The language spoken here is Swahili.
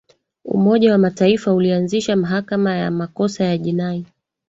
umoja wa mataifa ulianzisha mahakama ya makosa ya jinai